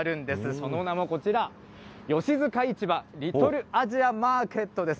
その名もこちら、吉塚市場リトルアジアマーケットです。